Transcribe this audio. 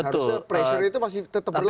harusnya pressure itu masih tetap berlaku